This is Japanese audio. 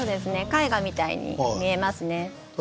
絵画みたいに見えますね。